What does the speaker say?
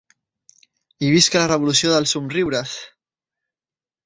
I visca la revolució dels somriures!